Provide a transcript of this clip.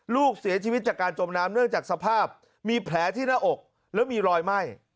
ลูกเสียชีวิตจากการจมน้ำเนื่องจากสภาพมีแผลที่หน้าอกแล้วมีรอยไหม้